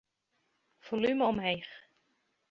Folume omheech.